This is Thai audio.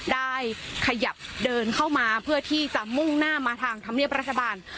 ได้ขยับเดินเข้ามาเพื่อที่จะมุ่งหน้ามาทางธรรมเนียบรัฐบาล